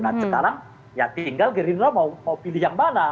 nah sekarang ya tinggal gerindra mau pilih yang mana